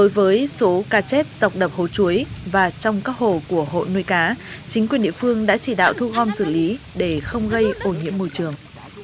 với số cá chết dọc đập hồ chuối và trong các hồ của hộ nuôi cá chính quyền địa phương đã chỉ đạo thu gom xử lý để không gây ổ nhiễm môi trường